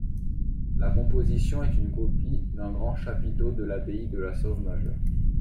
La composition est une copie d'un grand chapiteau de l'abbaye de La Sauve-Majeure.